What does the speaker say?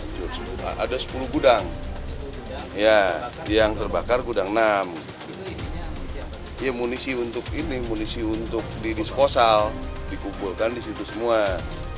menjelaskan bahwa kondisi gudang tersebut digunakan untuk masyarakat sekitar khususnya atas kejadian ini